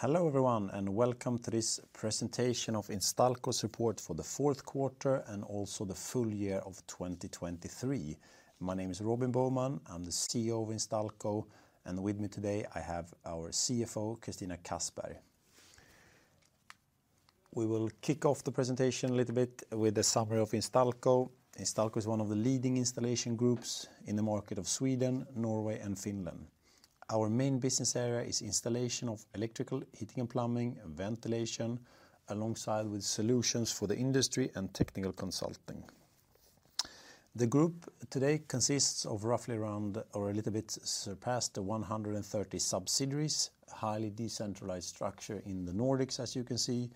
Hello everyone and welcome to this presentation of Instalco's report for the Q4 and also the full year of 2023. My name is Robin Boheman. I'm the CEO of Instalco, and with me today I have our CFO Christina Kassberg. We will kick off the presentation a little bit with a summary of Instalco. Instalco is one of the leading installation groups in the market of Sweden, Norway, and Finland. Our main business area is installation of electrical, heating, and plumbing, ventilation, alongside solutions for the industry and technical consulting. The group today consists of roughly around, or a little bit surpassed, 130 subsidiaries, a highly decentralized structure in the Nordics as you can see.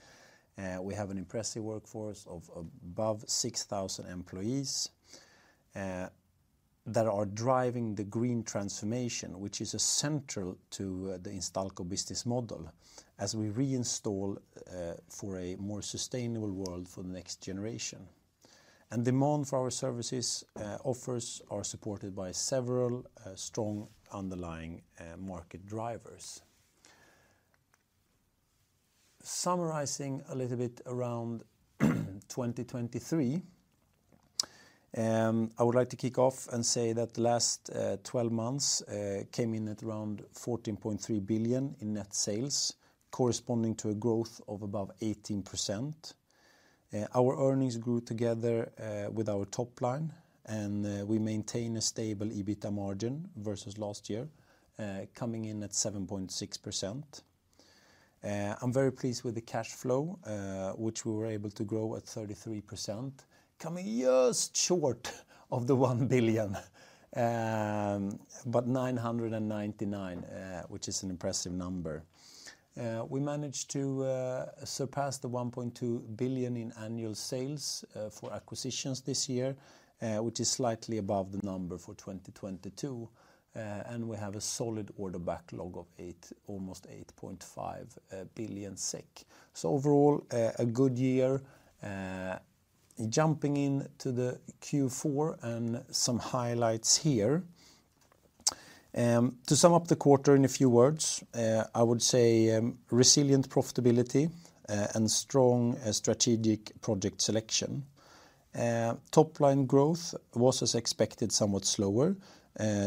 We have an impressive workforce of above 6,000 employees that are driving the green transformation, which is central to the Instalco business model as we reinstall for a more sustainable world for the next generation. Demand for our services offers are supported by several strong underlying market drivers. Summarizing a little bit around 2023, I would like to kick off and say that the last 12 months came in at around 14.3 billion in net sales, corresponding to a growth of above 18%. Our earnings grew together with our top line, and we maintain a stable EBITDA margin versus last year, coming in at 7.6%. I'm very pleased with the cash flow, which we were able to grow at 33%, coming just short of the 1 billion, but 999 million, which is an impressive number. We managed to surpass the 1.2 billion in annual sales for acquisitions this year, which is slightly above the number for 2022, and we have a solid order backlog of almost 8.5 billion SEK. So overall, a good year. Jumping into the Q4 and some highlights here. To sum up the quarter in a few words, I would say resilient profitability and strong strategic project selection. Top line growth was, as expected, somewhat slower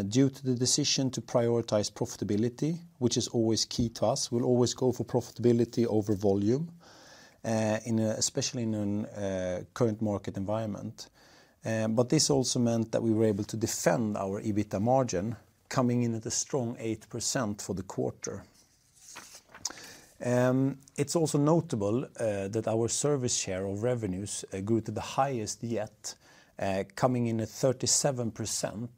due to the decision to prioritize profitability, which is always key to us. We'll always go for profitability over volume, especially in a current market environment. But this also meant that we were able to defend our EBITDA margin, coming in at a strong 8% for the quarter. It's also notable that our service share of revenues grew to the highest yet, coming in at 37%,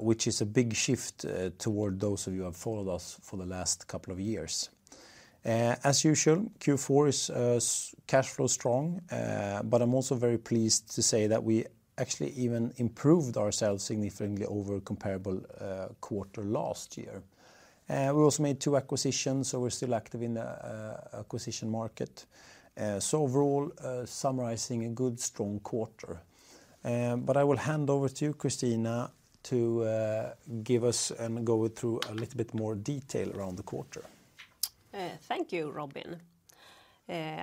which is a big shift toward those of you who have followed us for the last couple of years. As usual, Q4 is cash flow strong, but I'm also very pleased to say that we actually even improved ourselves significantly over comparable quarter last year. We also made 2 acquisitions, so we're still active in the acquisition market. So overall, summarizing, a good, strong quarter. But I will hand over to you, Christina, to give us and go through a little bit more detail around the quarter. Thank you, Robin.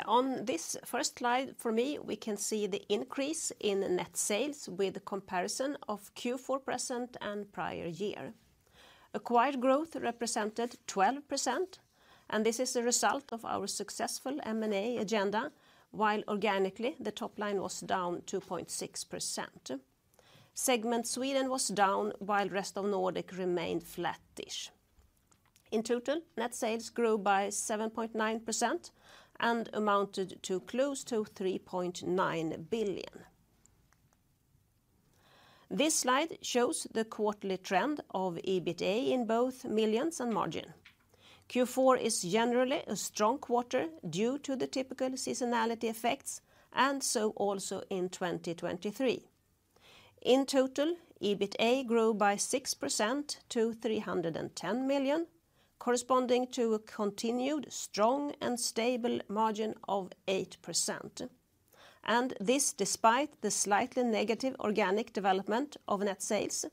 On this first slide for me, we can see the increase in net sales with comparison of Q4 present and prior year. Acquired growth represented 12%, and this is a result of our successful M&A agenda, while organically the top line was down 2.6%. Segment Sweden was down, while the rest of Nordic remained flatish. In total, net sales grew by 7.9% and amounted to close to 3.9 billion. This slide shows the quarterly trend of EBITDA in both millions and margin. Q4 is generally a strong quarter due to the typical seasonality effects, and so also in 2023. In total, EBITDA grew by 6% to 310 million, corresponding to a continued strong and stable margin of 8%. And this despite the slightly negative organic development of net sales,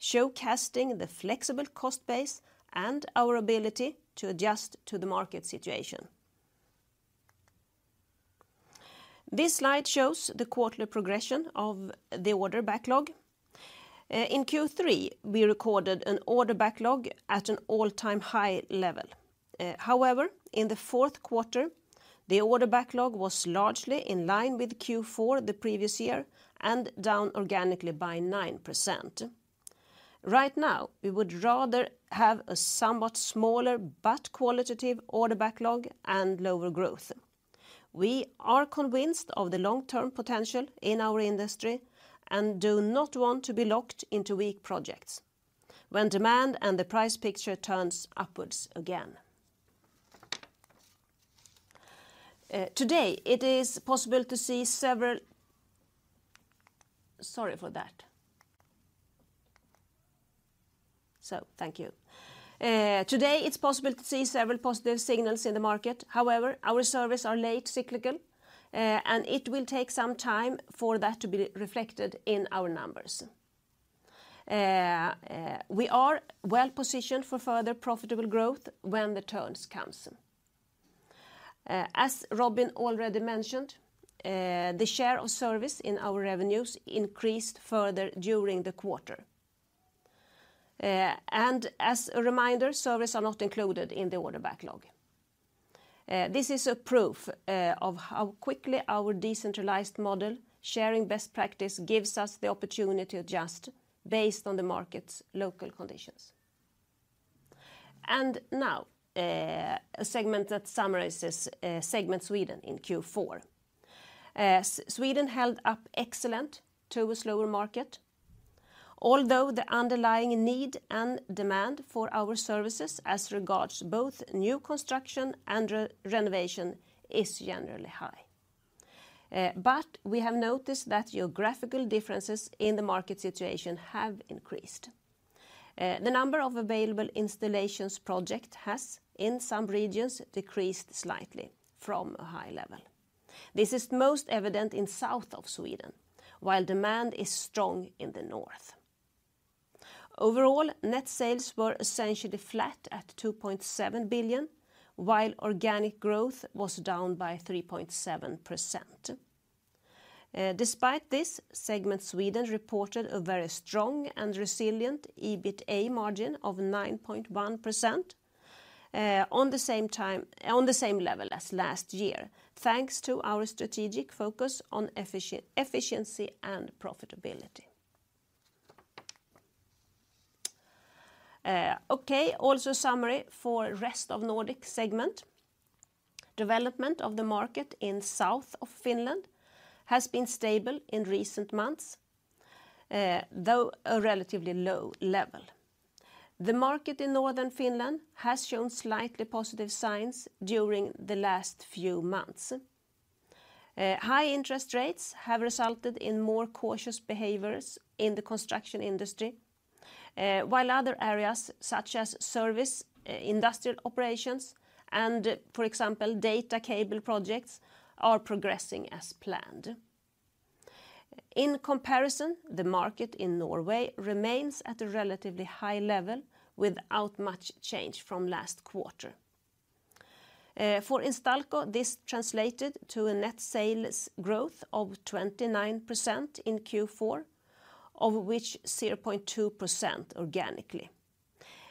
showcasing the flexible cost base and our ability to adjust to the market situation. This slide shows the quarterly progression of the order backlog. In Q3, we recorded an order backlog at an all-time high level. However, in the Q4, the order backlog was largely in line with Q4 the previous year and down organically by 9%. Right now, we would rather have a somewhat smaller but qualitative order backlog and lower growth. We are convinced of the long-term potential in our industry and do not want to be locked into weak projects when demand and the price picture turns upwards again. Today, it's possible to see several positive signals in the market. However, our service are late, cyclical, and it will take some time for that to be reflected in our numbers. We are well positioned for further profitable growth when the turns come. As Robin already mentioned, the share of service in our revenues increased further during the quarter. As a reminder, service are not included in the order backlog. This is proof of how quickly our decentralized model sharing best practice gives us the opportunity to adjust based on the market's local conditions. Now, a segment that summarizes Segment Sweden in Q4. Sweden held up excellent to a slower market, although the underlying need and demand for our services as regards both new construction and renovation is generally high. We have noticed that geographical differences in the market situation have increased. The number of available installations projects has, in some regions, decreased slightly from a high level. This is most evident in south of Sweden, while demand is strong in the north. Overall, net sales were essentially flat at 2.7 billion, while organic growth was down by 3.7%. Despite this, Segment Sweden reported a very strong and resilient EBITDA margin of 9.1% on the same level as last year, thanks to our strategic focus on efficiency and profitability. Okay, also summary for the rest of Nordic segment. Development of the market in south of Finland has been stable in recent months, though a relatively low level. The market in northern Finland has shown slightly positive signs during the last few months. High interest rates have resulted in more cautious behaviors in the construction industry, while other areas such as service industrial operations and, for example, data cable projects are progressing as planned. In comparison, the market in Norway remains at a relatively high level without much change from last quarter. For Instalco, this translated to a net sales growth of 29% in Q4, of which 0.2% organically.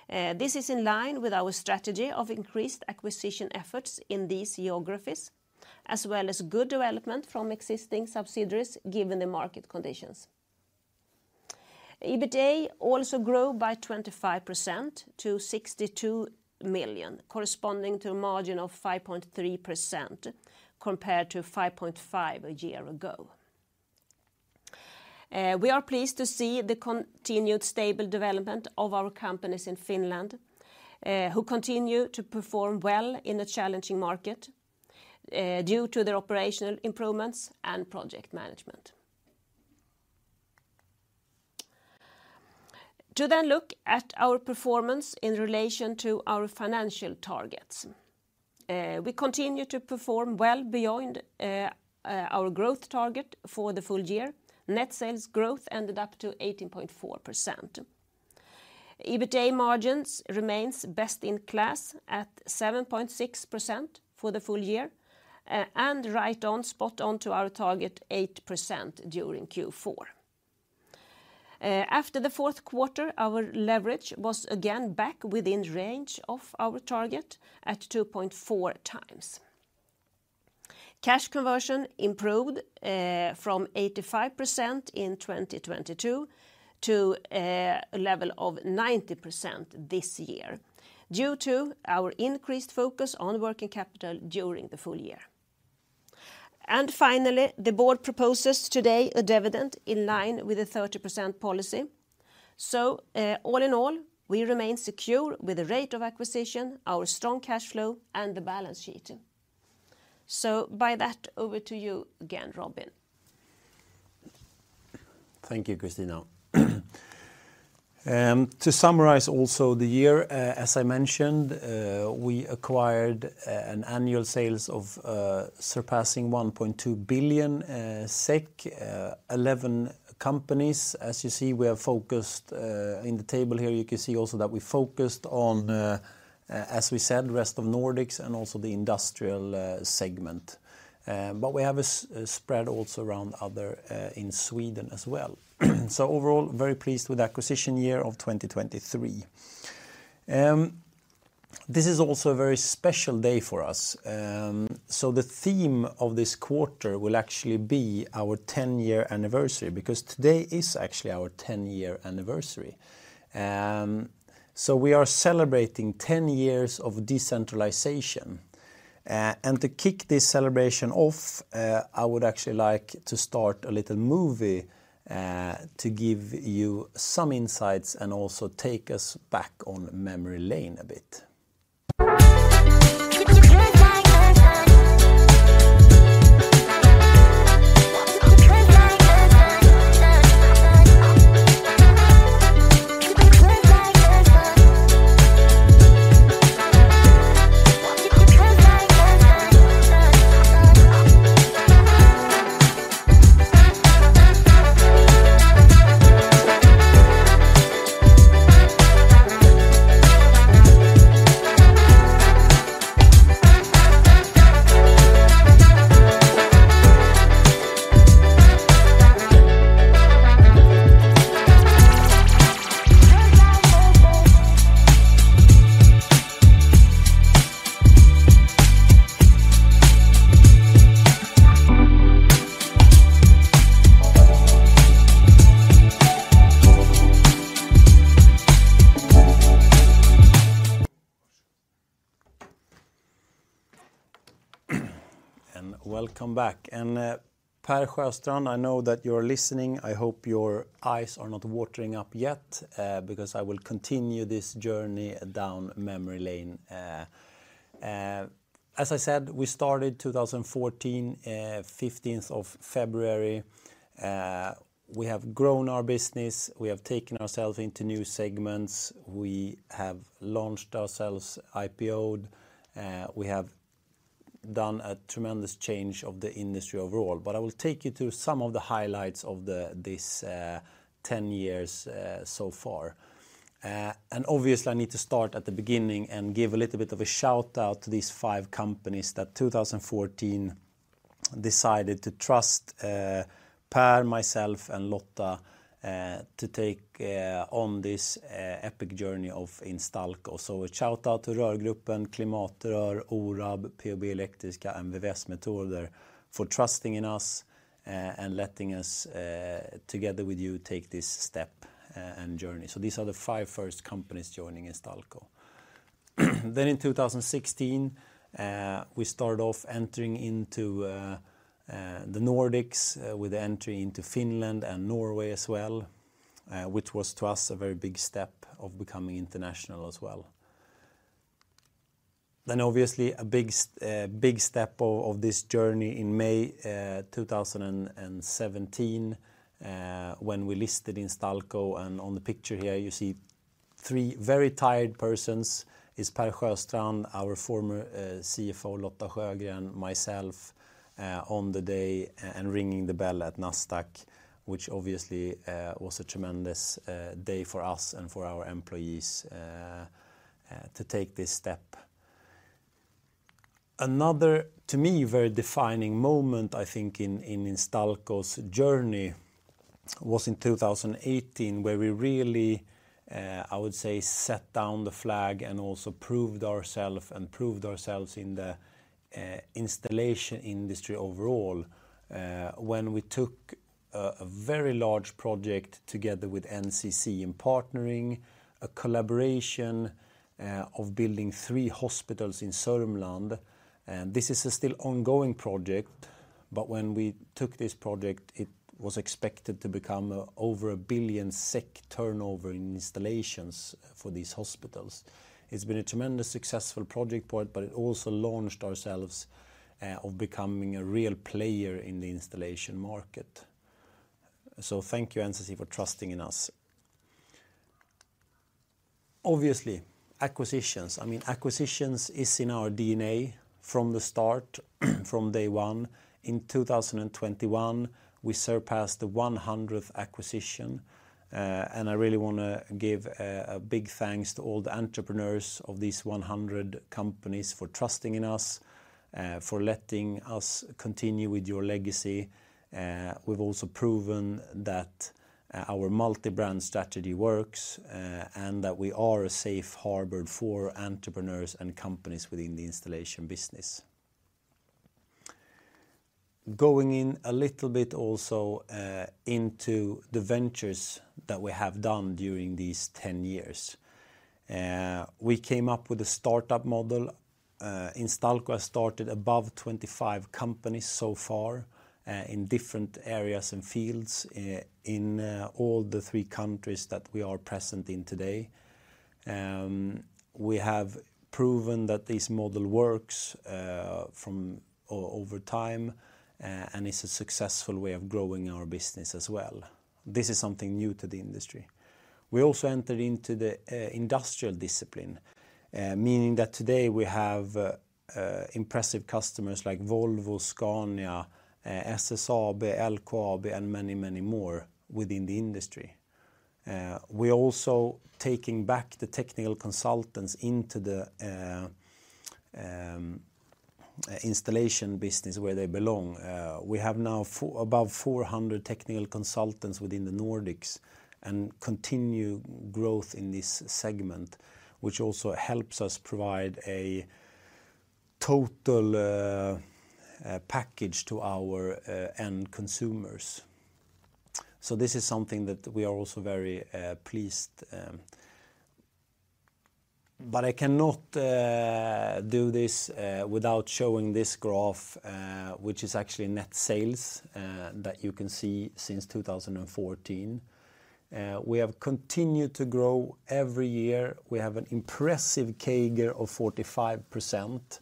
This is in line with our strategy of increased acquisition efforts in these geographies, as well as good development from existing subsidiaries given the market conditions. EBITDA also grew by 25% to 62 million, corresponding to a margin of 5.3% compared to 5.5% a year ago. We are pleased to see the continued stable development of our companies in Finland, who continue to perform well in a challenging market due to their operational improvements and project management. To then look at our performance in relation to our financial targets. We continue to perform well beyond our growth target for the full year. Net sales growth ended up to 18.4%. EBITDA margins remain best in class at 7.6% for the full year and right on spot on to our target 8% during Q4. After the Q4, our leverage was again back within range of our target at 2.4 times. Cash conversion improved from 85% in 2022 to a level of 90% this year due to our increased focus on working capital during the full year. Finally, the board proposes today a dividend in line with a 30% policy. All in all, we remain secure with the rate of acquisition, our strong cash flow, and the balance sheet. By that, over to you again, Robin. Thank you, Christina. To summarize also the year, as I mentioned, we acquired an annual sales of surpassing 1.2 billion SEK, 11 companies. As you see, we have focused in the table here, you can see also that we focused on, as we said, the rest of Nordics and also the industrial segment. But we have a spread also around other in Sweden as well. So overall, very pleased with the acquisition year of 2023. This is also a very special day for us. So the theme of this quarter will actually be our 10-year anniversary because today is actually our 10-year anniversary. So we are celebrating 10 years of decentralization. And to kick this celebration off, I would actually like to start a little movie to give you some insights and also take us back on memory lane a bit. And welcome back. Per Sjöstrand, I know that you're listening. I hope your eyes are not watering up yet because I will continue this journey down memory lane. As I said, we started 2014, 15th of February. We have grown our business. We have taken ourselves into new segments. We have launched ourselves, IPOed. We have done a tremendous change of the industry overall. I will take you through some of the highlights of these 10 years so far. Obviously, I need to start at the beginning and give a little bit of a shout-out to these five companies that 2014 decided to trust Per, myself, and Lotta to take on this epic journey of Instalco. A shout-out to Rörgruppen, Klimatrör, ORAB, POB Elektriska, and VVS Metoder for trusting in us and letting us, together with you, take this step and journey. So these are the five first companies joining Instalco. Then in 2016, we started off entering into the Nordics with the entry into Finland and Norway as well, which was to us a very big step of becoming international as well. Then obviously, a big step of this journey in May 2017 when we listed Instalco. And on the picture here, you see three very tired persons. It's Per Sjöstrand, our former CFO, Lotta Sjögren, myself on the day, and ringing the bell at Nasdaq, which obviously was a tremendous day for us and for our employees to take this step. Another, to me, very defining moment, I think, in Instalco's journey was in 2018, where we really, I would say, set down the flag and also proved ourselves and proved ourselves in the installation industry overall when we took a very large project together with NCC in partnering, a collaboration of building three hospitals in Sörmland. And this is still an ongoing project. But when we took this project, it was expected to become over 1 billion SEK turnover in installations for these hospitals. It's been a tremendous successful project for it, but it also launched ourselves of becoming a real player in the installation market. So thank you, NCC, for trusting in us. Obviously, acquisitions. I mean, acquisitions is in our DNA from the start, from day one. In 2021, we surpassed the 100th acquisition. I really want to give a big thanks to all the entrepreneurs of these 100 companies for trusting in us, for letting us continue with your legacy. We've also proven that our multi-brand strategy works and that we are a safe harbor for entrepreneurs and companies within the installation business. Going in a little bit also into the ventures that we have done during these 10 years. We came up with a startup model. Instalco has started above 25 companies so far in different areas and fields in all the three countries that we are present in today. We have proven that this model works over time and is a successful way of growing our business as well. This is something new to the industry. We also entered into the industrial discipline, meaning that today we have impressive customers like Volvo, Scania, SSAB, LKAB, and many, many more within the industry. We are also taking back the technical consultants into the installation business where they belong. We have now above 400 technical consultants within the Nordics and continue growth in this segment, which also helps us provide a total package to our end consumers. So this is something that we are also very pleased. But I cannot do this without showing this graph, which is actually net sales that you can see since 2014. We have continued to grow every year. We have an impressive CAGR of 45%.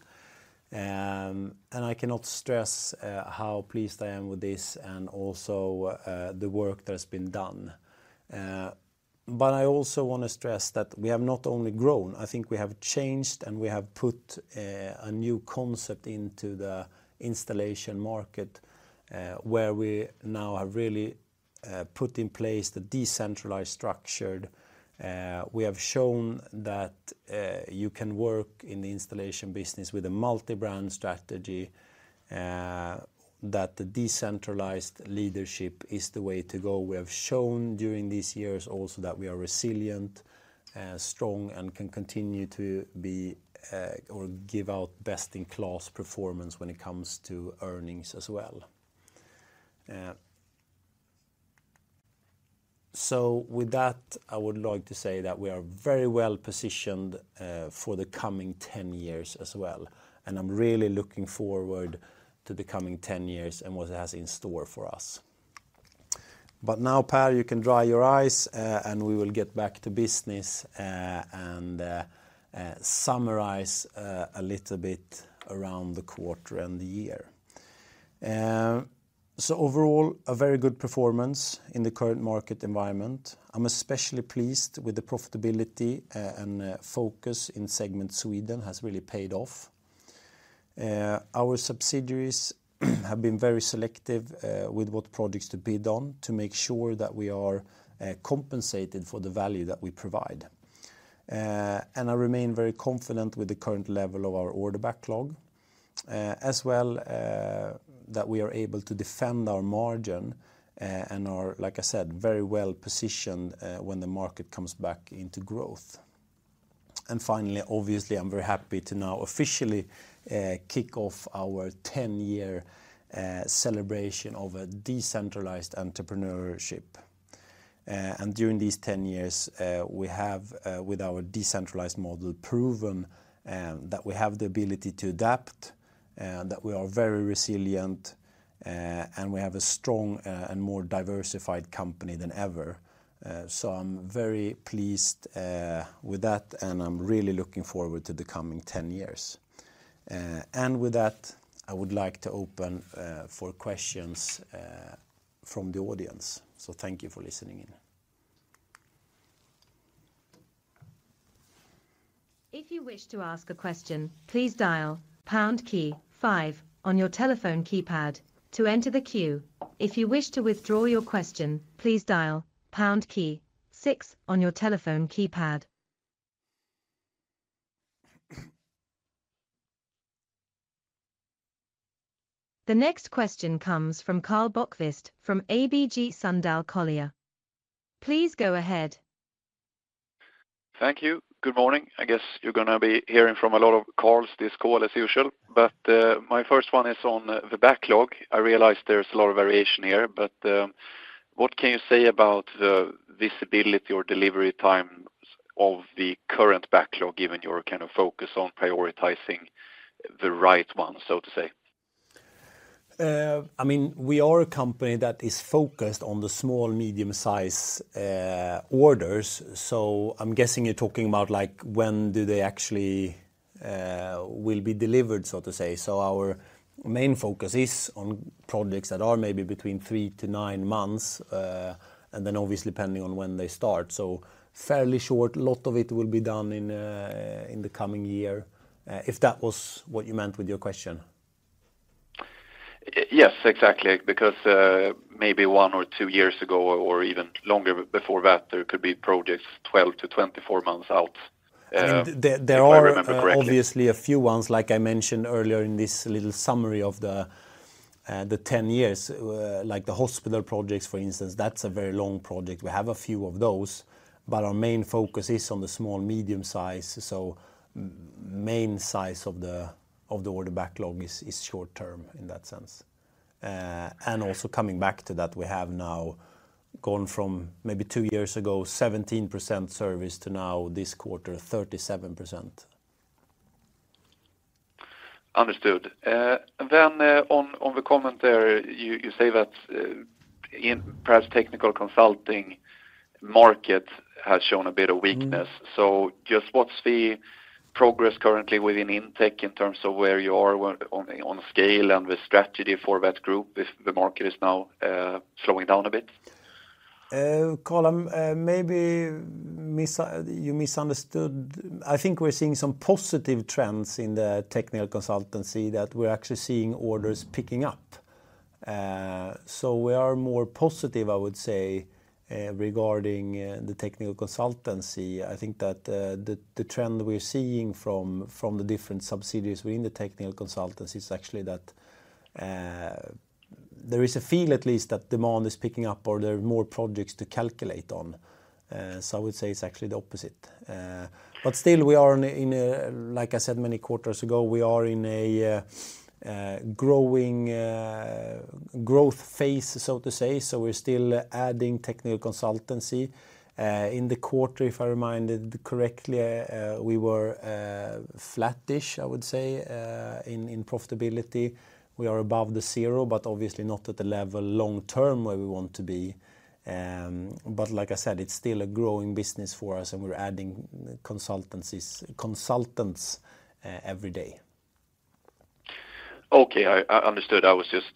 And I cannot stress how pleased I am with this and also the work that has been done. But I also want to stress that we have not only grown. I think we have changed and we have put a new concept into the installation market where we now have really put in place the decentralized structure. We have shown that you can work in the installation business with a multi-brand strategy, that the decentralized leadership is the way to go. We have shown during these years also that we are resilient, strong, and can continue to give out best-in-class performance when it comes to earnings as well. So with that, I would like to say that we are very well positioned for the coming 10 years as well. And I'm really looking forward to the coming 10 years and what it has in store for us. But now, Per, you can dry your eyes and we will get back to business and summarize a little bit around the quarter and the year. So overall, a very good performance in the current market environment. I'm especially pleased with the profitability and focus in segment Sweden has really paid off. Our subsidiaries have been very selective with what projects to bid on to make sure that we are compensated for the value that we provide. And I remain very confident with the current level of our order backlog as well that we are able to defend our margin and are, like I said, very well positioned when the market comes back into growth. And finally, obviously, I'm very happy to now officially kick off our 10-year celebration of a decentralized entrepreneurship. And during these 10 years, we have, with our decentralized model, proven that we have the ability to adapt, that we are very resilient, and we have a strong and more diversified company than ever. I'm very pleased with that and I'm really looking forward to the coming 10 years. With that, I would like to open for questions from the audience. Thank you for listening in. If you wish to ask a question, please dial pound key 5 on your telephone keypad to enter the queue. If you wish to withdraw your question, please dial pound key 6 on your telephone keypad. The next question comes from Karl Bokvist from ABG Sundal Collier. Please go ahead. Thank you. Good morning. I guess you're going to be hearing from a lot of calls, this call as usual. But my first one is on the backlog. I realize there's a lot of variation here. But what can you say about the visibility or delivery time of the current backlog given your kind of focus on prioritizing the right one, so to say? I mean, we are a company that is focused on the small, medium-sized orders. So I'm guessing you're talking about when do they actually will be delivered, so to say. So our main focus is on projects that are maybe between 3 to 9 months and then obviously depending on when they start. So fairly short, a lot of it will be done in the coming year, if that was what you meant with your question. Yes, exactly. Because maybe 1 or 2 years ago or even longer before that, there could be projects 12 to 24 months out. If I remember correctly. There are obviously a few ones, like I mentioned earlier in this little summary of the 10 years, like the hospital projects, for instance. That's a very long project. We have a few of those. But our main focus is on the small, medium-sized. So the main size of the order backlog is short-term in that sense. And also coming back to that, we have now gone from maybe 2 years ago, 17% service to now this quarter, 37%. Understood. Then on the comment there, you say that Per's technical consulting market has shown a bit of weakness. So just what's the progress currently within intake in terms of where you are on scale and the strategy for that group if the market is now slowing down a bit? Karl, maybe you misunderstood. I think we're seeing some positive trends in the technical consultancy that we're actually seeing orders picking up. So we are more positive, I would say, regarding the technical consultancy. I think that the trend we're seeing from the different subsidiaries within the technical consultancy is actually that there is a feel, at least, that demand is picking up or there are more projects to calculate on. So I would say it's actually the opposite. But still, we are in, like I said many quarters ago, we are in a growing growth phase, so to say. So we're still adding technical consultancy. In the quarter, if I remember correctly, we were flat-ish, I would say, in profitability. We are above the zero, but obviously not at the level long-term where we want to be. Like I said, it's still a growing business for us and we're adding consultants every day. Okay. I understood. I was just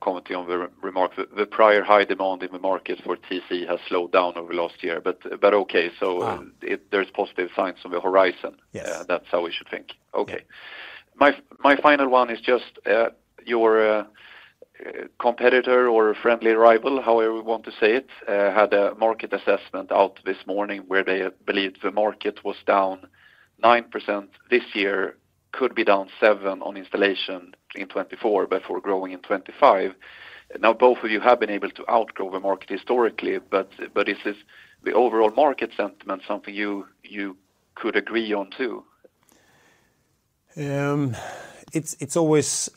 commenting on the remark. The prior high demand in the market for TC has slowed down over the last year. But okay. So there's positive signs on the horizon. That's how we should think. Okay. My final one is just your competitor or friendly rival, however you want to say it, had a market assessment out this morning where they believed the market was down 9% this year, could be down 7% on installation in 2024, but for growing in 2025. Now, both of you have been able to outgrow the market historically, but is the overall market sentiment something you could agree on too? It's always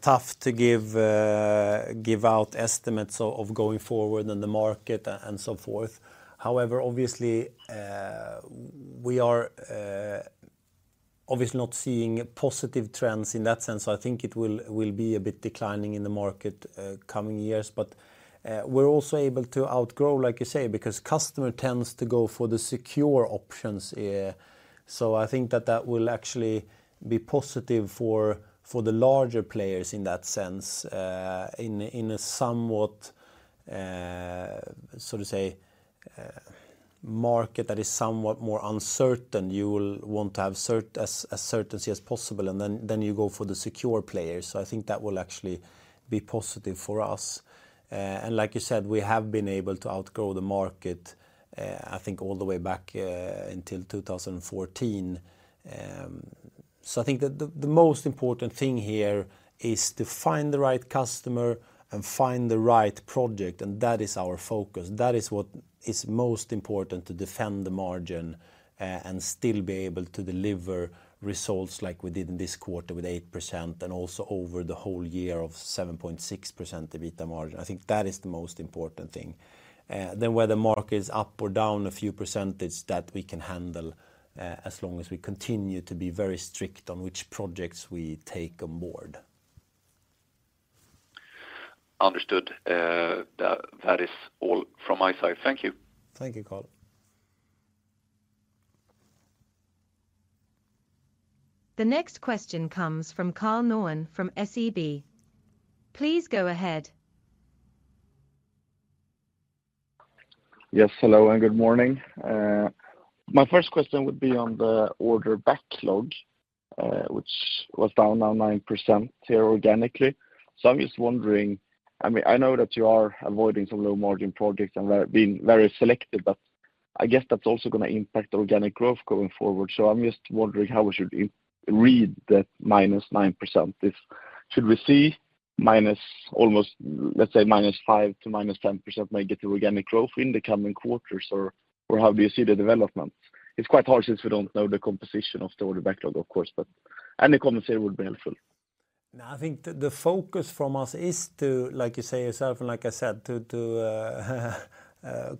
tough to give out estimates of going forward and the market and so forth. However, obviously, we are obviously not seeing positive trends in that sense. So I think it will be a bit declining in the market coming years. But we're also able to outgrow, like you say, because customer tends to go for the secure options. So I think that that will actually be positive for the larger players in that sense, in a somewhat, so to say, market that is somewhat more uncertain. You will want to have as certainty as possible and then you go for the secure players. So I think that will actually be positive for us. And like you said, we have been able to outgrow the market, I think, all the way back until 2014. So I think that the most important thing here is to find the right customer and find the right project. And that is our focus. That is what is most important to defend the margin and still be able to deliver results like we did in this quarter with 8% and also over the whole year of 7.6% EBITDA margin. I think that is the most important thing. Then whether the market is up or down a few percentage, that we can handle as long as we continue to be very strict on which projects we take on board. Understood. That is all from my side. Thank you. Thank you, Karl. The next question comes from Karl Norén from SEB. Please go ahead. Yes. Hello and good morning. My first question would be on the order backlog, which was down now 9% here organically. So I'm just wondering, I mean, I know that you are avoiding some low-margin projects and being very selective, but I guess that's also going to impact organic growth going forward. So I'm just wondering how we should read that minus 9%. Should we see minus, let's say, -5% to -10% negative organic growth in the coming quarters or how do you see the developments? It's quite hard since we don't know the composition of the order backlog, of course, but any comments here would be helpful. No, I think the focus from us is to, like you say yourself and like I said, to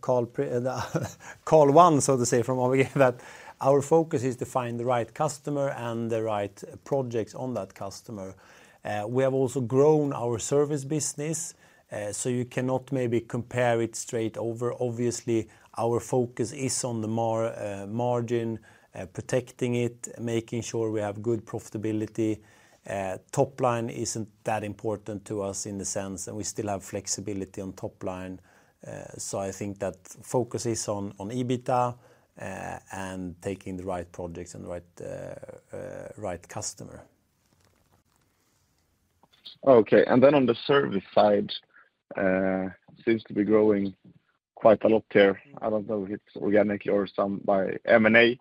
call one, so to say, from ABG, that our focus is to find the right customer and the right projects on that customer. We have also grown our service business. So you cannot maybe compare it straight over. Obviously, our focus is on the margin, protecting it, making sure we have good profitability. Top line isn't that important to us in the sense and we still have flexibility on top line. So I think that focus is on EBITDA and taking the right projects and the right customer. Okay. And then on the service side, it seems to be growing quite a lot here. I don't know if it's organically or some by M&A,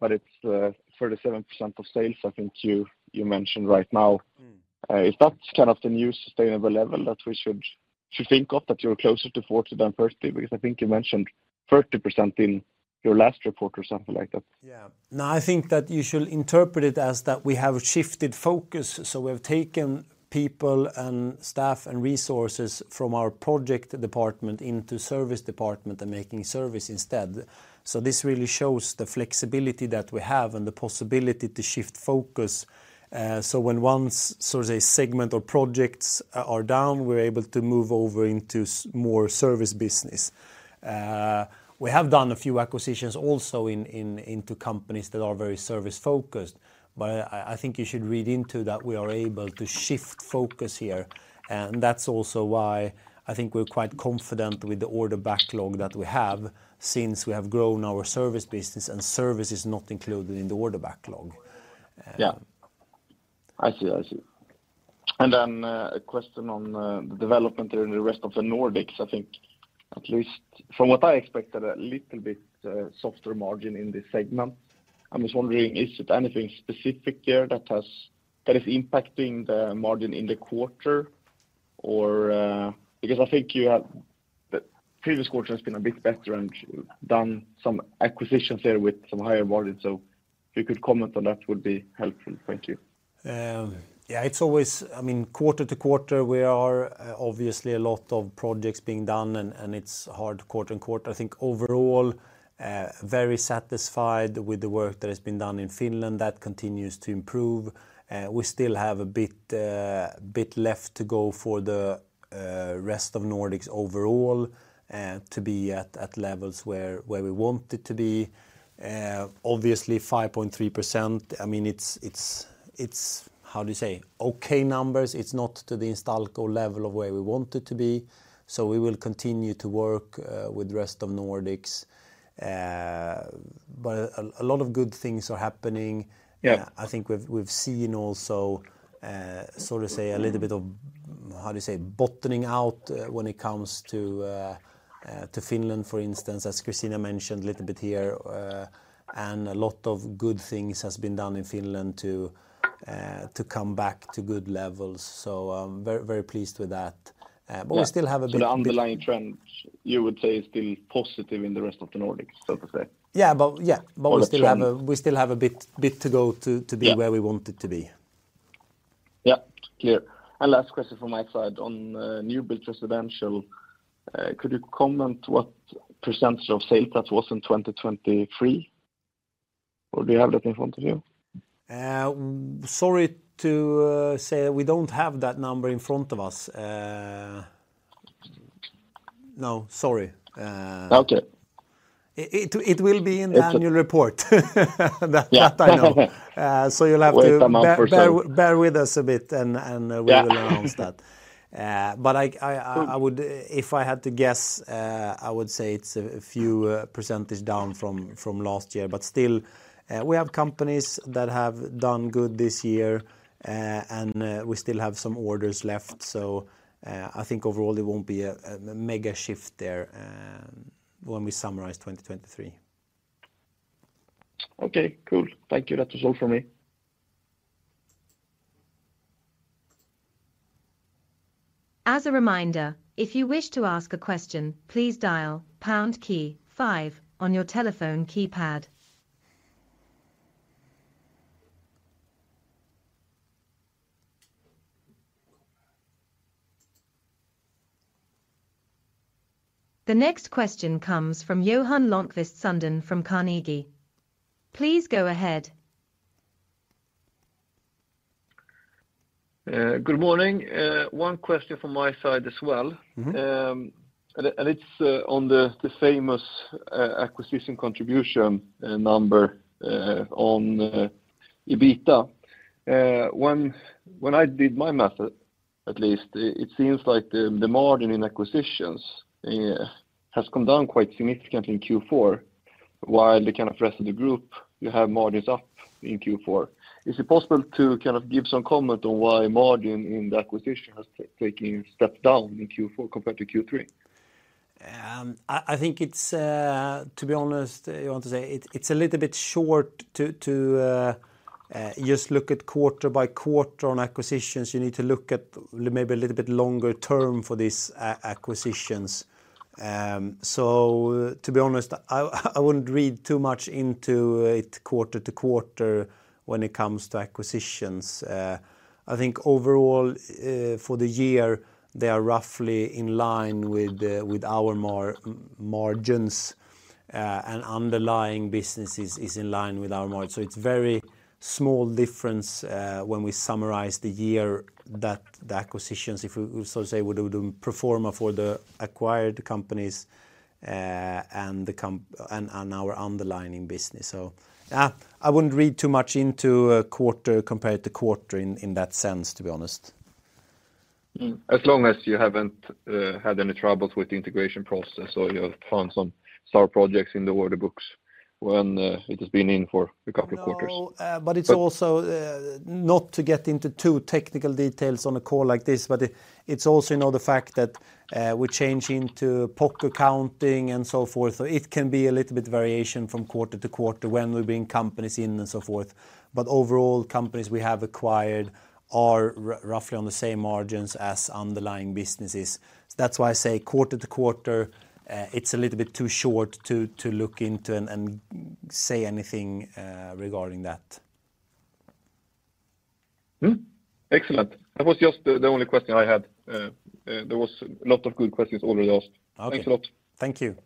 but it's 37% of sales, I think you mentioned right now. Is that kind of the new sustainable level that we should think of, that you're closer to 40 than 30? Because I think you mentioned 30% in your last report or something like that. Yeah. No, I think that you should interpret it as that we have shifted focus. So we have taken people and staff and resources from our project department into service department and making service instead. So this really shows the flexibility that we have and the possibility to shift focus. So when once, so to say, segment or projects are down, we're able to move over into more service business. We have done a few acquisitions also into companies that are very service-focused. But I think you should read into that we are able to shift focus here. And that's also why I think we're quite confident with the order backlog that we have since we have grown our service business and service is not included in the order backlog. Yeah. I see. I see. And then a question on the development here in the rest of the Nordics. I think at least from what I expected, a little bit softer margin in this segment. I'm just wondering, is it anything specific here that is impacting the margin in the quarter? Because I think the previous quarter has been a bit better and done some acquisitions here with some higher margins. So if you could comment on that, would be helpful. Thank you. Yeah. I mean, quarter-to-quarter, we are obviously a lot of projects being done and it's hard quarter and quarter. I think overall, very satisfied with the work that has been done in Finland. That continues to improve. We still have a bit left to go for the rest of Nordics overall to be at levels where we want it to be. Obviously, 5.3%, I mean, it's, how do you say, okay numbers. It's not to the Instalco level of where we want it to be. So we will continue to work with the rest of Nordics. But a lot of good things are happening. I think we've seen also, so to say, a little bit of, how do you say, bottoming out when it comes to Finland, for instance, as Christina mentioned a little bit here. A lot of good things have been done in Finland to come back to good levels. Very pleased with that. We still have a bit. The underlying trend, you would say, is still positive in the rest of the Nordics, so to say? Yeah. Yeah. But we still have a bit to go to be where we want it to be. Yeah. Clear. Last question from my side on new build residential. Could you comment what percentage of sales that was in 2023? Or do you have that in front of you? Sorry to say that we don't have that number in front of us. No, sorry. It will be in the annual report. That I know. So you'll have to bear with us a bit and we will announce that. But if I had to guess, I would say it's a few percentage down from last year. But still, we have companies that have done good this year and we still have some orders left. So I think overall, it won't be a mega shift there when we summarize 2023. Okay. Cool. Thank you. That was all from me. As a reminder, if you wish to ask a question, please dial pound key 5 on your telephone keypad. The next question comes from Johan Lönnquist Sundén from Carnegie. Please go ahead. Good morning. One question from my side as well. It's on the famous acquisition contribution number on EBITDA. When I did my method, at least, it seems like the margin in acquisitions has come down quite significantly in Q4, while the kind of rest of the group, you have margins up in Q4. Is it possible to kind of give some comment on why margin in the acquisition has taken steps down in Q4 compared to Q3? I think it's, to be honest, I want to say, it's a little bit short to just look at quarter-by-quarter on acquisitions. You need to look at maybe a little bit longer term for these acquisitions. So, to be honest, I wouldn't read too much into it quarter-to-quarter when it comes to acquisitions. I think overall, for the year, they are roughly in line with our margins, and underlying business is in line with our margin. So it's a very small difference when we summarize the year that the acquisitions, if we so say, would do the performer for the acquired companies and our underlying business. So yeah, I wouldn't read too much into quarter compared to quarter in that sense, to be honest. As long as you haven't had any troubles with the integration process or you have found some star projects in the order books when it has been in for a couple of quarters. But it's also not to get into too technical details on a call like this, but it's also the fact that we change into POC accounting and so forth. So it can be a little bit variation from quarter-to-quarter when we bring companies in and so forth. But overall, companies we have acquired are roughly on the same margins as underlying businesses. That's why I say quarter-to-quarter, it's a little bit too short to look into and say anything regarding that. Excellent. That was just the only question I had. There was a lot of good questions already asked. Thanks a lot. Thank you.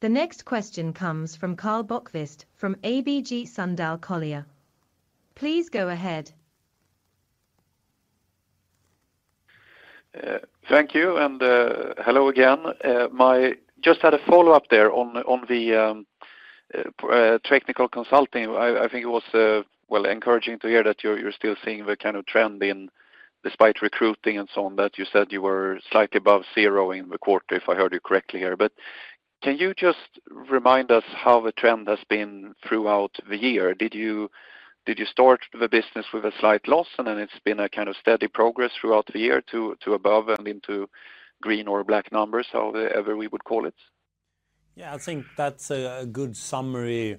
The next question comes from Karl Bokvist from ABG Sundal Collier. Please go ahead. Thank you. And hello again. I just had a follow-up there on the technical consulting. I think it was, well, encouraging to hear that you're still seeing the kind of trend in despite recruiting and so on, that you said you were slightly above zero in the quarter, if I heard you correctly here. But can you just remind us how the trend has been throughout the year? Did you start the business with a slight loss and then it's been a kind of steady progress throughout the year to above and into green or black numbers, however we would call it? Yeah. I think that's a good summary.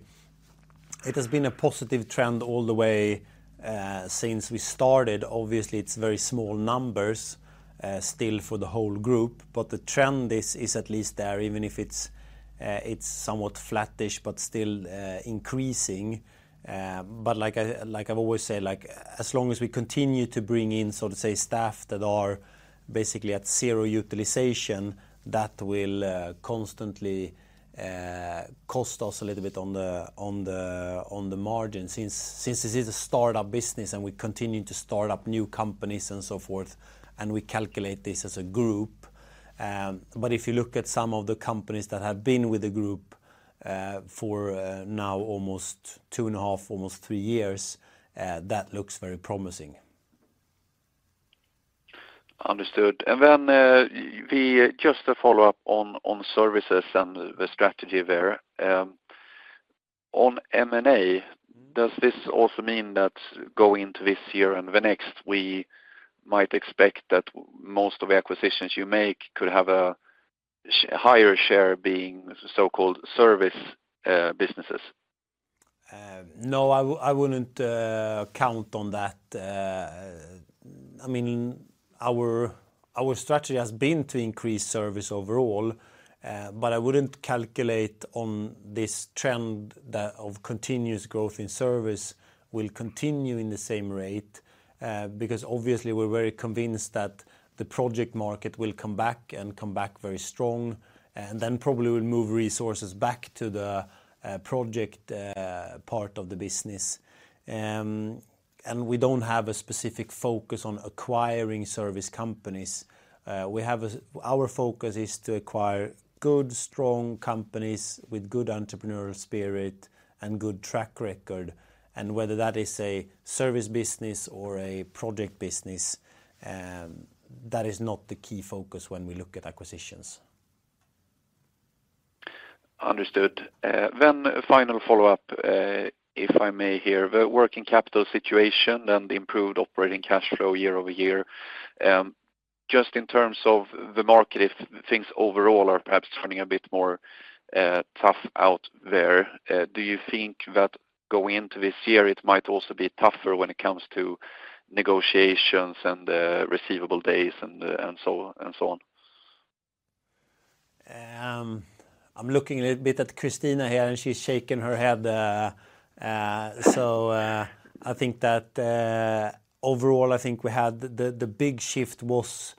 It has been a positive trend all the way since we started. Obviously, it's very small numbers still for the whole group, but the trend is at least there, even if it's somewhat flattish, but still increasing. But like I've always said, as long as we continue to bring in, so to say, staff that are basically at zero utilization, that will constantly cost us a little bit on the margin since this is a startup business and we continue to start up new companies and so forth, and we calculate this as a group. But if you look at some of the companies that have been with the group for now almost two and a half, almost three years, that looks very promising. Understood. Just a follow-up on services and the strategy there. On M&A, does this also mean that going into this year and the next, we might expect that most of the acquisitions you make could have a higher share being so-called service businesses? No, I wouldn't count on that. I mean, our strategy has been to increase service overall, but I wouldn't calculate on this trend of continuous growth in service will continue in the same rate because obviously, we're very convinced that the project market will come back and come back very strong and then probably will move resources back to the project part of the business. We don't have a specific focus on acquiring service companies. Our focus is to acquire good, strong companies with good entrepreneurial spirit and good track record. Whether that is a service business or a project business, that is not the key focus when we look at acquisitions. Understood. Then final follow-up, if I may hear, the working capital situation and the improved operating cash flow year-over-year. Just in terms of the market, if things overall are perhaps turning a bit more tough out there, do you think that going into this year, it might also be tougher when it comes to negotiations and receivable days and so on? I'm looking a little bit at Christina here and she's shaking her head. So I think that overall, I think we had the big shift was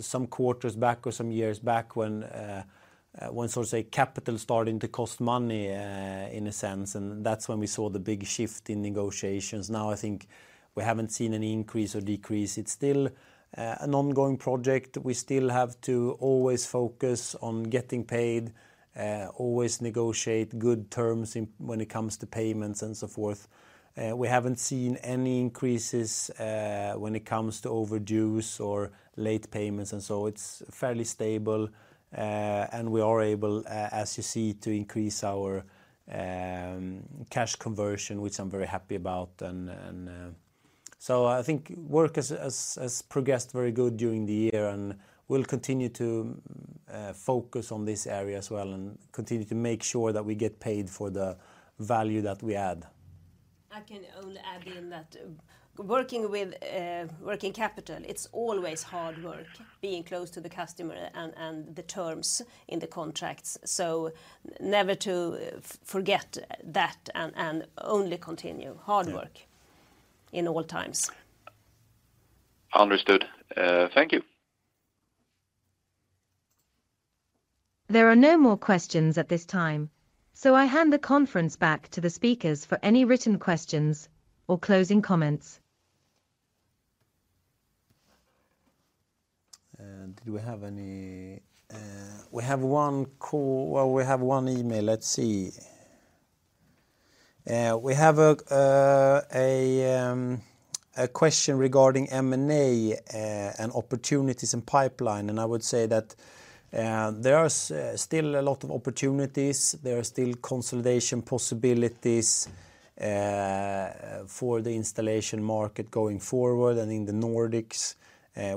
some quarters back or some years back when, so to say, capital started to cost money in a sense, and that's when we saw the big shift in negotiations. Now, I think we haven't seen an increase or decrease. It's still an ongoing project. We still have to always focus on getting paid, always negotiate good terms when it comes to payments and so forth. We haven't seen any increases when it comes to overdues or late payments and so on. It's fairly stable. We are able, as you see, to increase our cash conversion, which I'm very happy about. And so I think work has progressed very good during the year and we'll continue to focus on this area as well and continue to make sure that we get paid for the value that we add. I can only add in that working capital, it's always hard work, being close to the customer and the terms in the contracts. So never to forget that and only continue hard work in all times. Understood. Thank you. There are no more questions at this time, so I hand the conference back to the speakers for any written questions or closing comments. Did we have any? We have one call. Well, we have one email. Let's see. We have a question regarding M&A and opportunities and pipeline. And I would say that there are still a lot of opportunities. There are still consolidation possibilities for the installation market going forward and in the Nordics.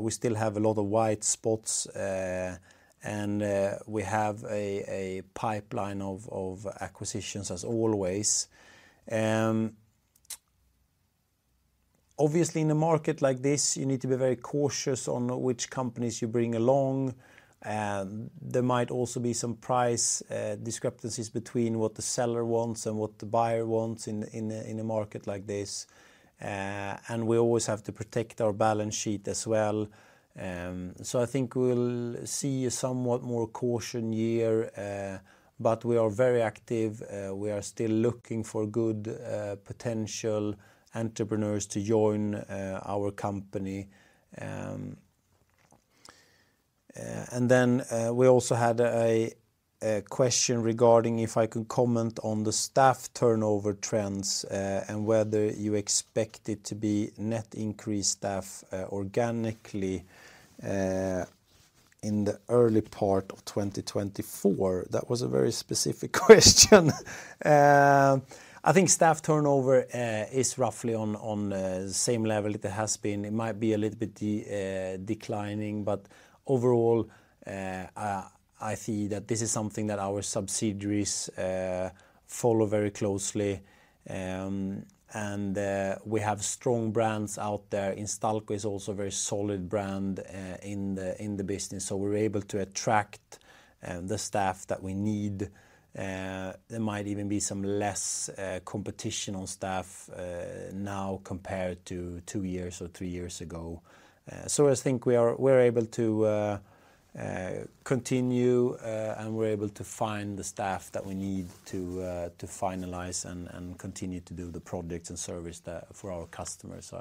We still have a lot of white spots and we have a pipeline of acquisitions as always. Obviously, in a market like this, you need to be very cautious on which companies you bring along. There might also be some price discrepancies between what the seller wants and what the buyer wants in a market like this. And we always have to protect our balance sheet as well. So I think we'll see a somewhat more cautious year, but we are very active. We are still looking for good potential entrepreneurs to join our company. Then we also had a question regarding if I can comment on the staff turnover trends and whether you expect it to be net increase staff organically in the early part of 2024. That was a very specific question. I think staff turnover is roughly on the same level it has been. It might be a little bit declining, but overall, I see that this is something that our subsidiaries follow very closely. And we have strong brands out there. Instalco is also a very solid brand in the business. So we're able to attract the staff that we need. There might even be some less competition on staff now compared to two years or three years ago. So I think we're able to continue and we're able to find the staff that we need to finalize and continue to do the projects and service for our customers.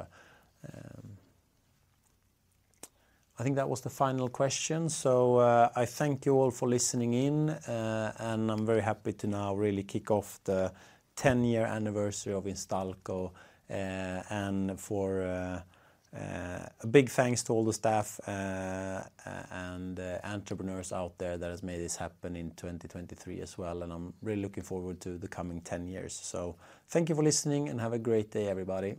I think that was the final question. So I thank you all for listening in and I'm very happy to now really kick off the 10-year anniversary of Instalco. A big thanks to all the staff and entrepreneurs out there that have made this happen in 2023 as well. I'm really looking forward to the coming 10 years. So thank you for listening and have a great day, everybody.